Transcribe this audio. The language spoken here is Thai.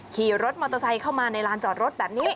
ขี่รถมอเตอร์ไซค์เข้ามาในลานจอดรถแบบนี้